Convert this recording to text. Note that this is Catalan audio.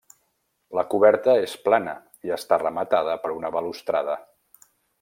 La coberta és plana i està rematada per una balustrada.